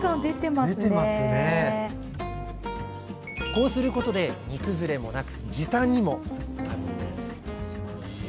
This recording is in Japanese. こうすることで煮崩れもなく時短にもなるんです。